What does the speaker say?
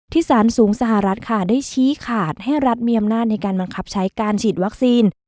สารสูงสหรัฐค่ะได้ชี้ขาดให้รัฐมีอำนาจในการบังคับใช้การฉีดวัคซีน